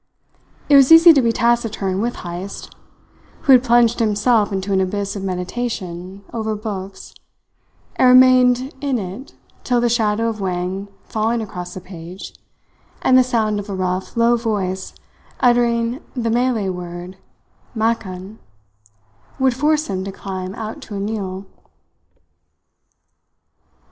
It was easy to be taciturn with Heyst, who had plunged himself into an abyss of meditation over books, and remained in it till the shadow of Wang falling across the page, and the sound of a rough, low voice uttering the Malay word "makan," would force him to climb out to a meal.